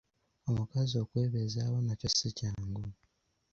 Omukazi okwebeezaawo nakyo si kyangu.